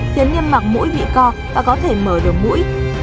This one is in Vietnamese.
khiến niêm mạc mũi bị co và có thể mở được mũi